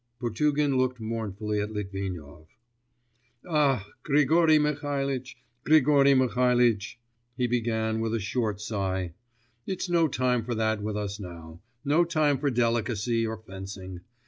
Potugin looked mournfully at Litvinov. 'Ah, Grigory Mihalitch, Grigory Mihalitch,' he began with a short sigh, 'it's no time for that with us now, no time for delicacy or fencing.